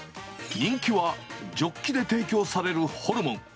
人気はジョッキで提供されるホルモン。